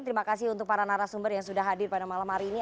terima kasih untuk para narasumber yang sudah hadir pada malam hari ini